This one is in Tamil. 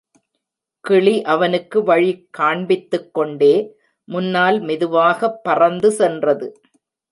கிளி அவனுக்கு வழி காண்பித்துக்கொண்டே முன்னால் மெதுவாகப் பறந்து சென்றது.